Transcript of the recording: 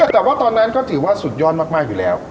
แต่ว่าตอนนั้นก็ถือว่าสุดยอดมากอยู่แล้ว